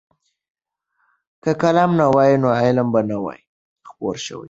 که قلم نه وای نو علم به نه وای خپور شوی.